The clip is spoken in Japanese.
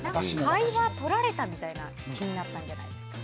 会話を取られたみたいな気になったんじゃないですか。